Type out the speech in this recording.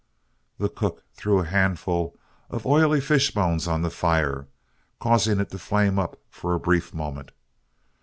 The cook threw a handful of oily fish bones on the fire, causing it to flame up for a brief moment.